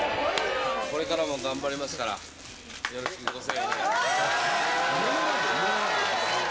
これからも頑張りますから、よろしくご声援を。